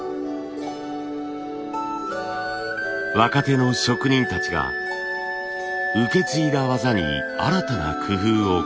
若手の職人たちが受け継いだ技に新たな工夫を凝らしました。